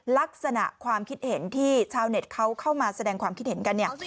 ลักษณะความคิดเห็นที่ชาวเน็ตเขาเข้ามาแสดงความคิดเห็นกันเนี่ย